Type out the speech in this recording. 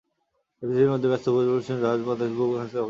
এটি পৃথিবীর মধ্যে ব্যস্ত পূর্ব-পশ্চিম জাহাজ পথ এর খুব কাছেই অবস্থিত।